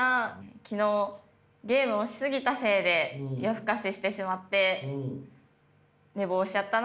昨日ゲームをし過ぎたせいで夜更かししてしまって寝坊しちゃったな。